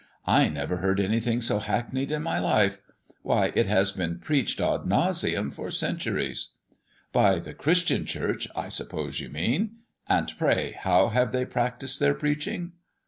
I never heard anything so hackneyed in my life. Why, it has been preached ad nauseam for centuries!" "By the Christian Church, I suppose you mean. And pray how have they practised their preaching?"